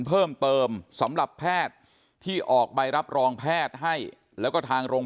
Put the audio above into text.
เพิ่มเติมสำหรับแพทย์ที่ออกใบรับรองแพทย์ให้แล้วก็ทางโรง